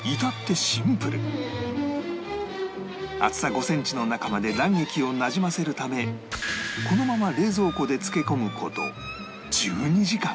厚さ５センチの中まで卵液をなじませるためこのまま冷蔵庫で漬け込む事１２時間